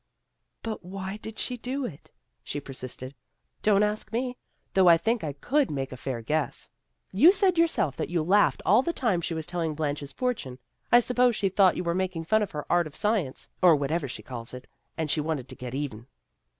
" But why did she do it? " she persisted. " Don't ask me. Though I think I could make a fair guess. You said yourself that you laughed all the time she was telling Blanche's fortune. I suppose she thought you were making fun of her art or science, or whatever she calls it, and she wanted to get even."